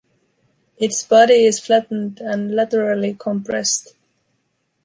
Its body is flattened and laterally compressed.